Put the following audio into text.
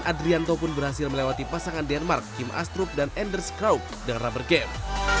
dan adrianto pun berhasil melewati pasangan denmark kim astrup dan anders kraup dengan rubber game